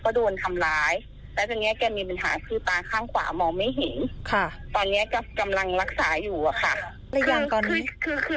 ตอนนี้กำลังรักษาอยู่